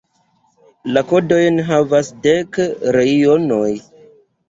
La kodojn havas dek reionoj.